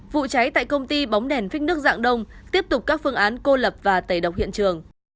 vụ cháy tại công ty bóng đèn phích nước dạng đông tiếp tục các phương án cô lập và tẩy độc hiện trường